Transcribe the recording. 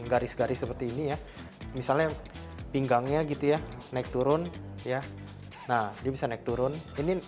garis garis seperti ini ya misalnya pinggangnya gitu ya naik turun ya nah dia bisa naik turun ini